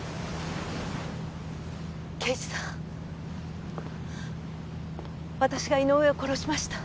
刑事さん私が井上を殺しました。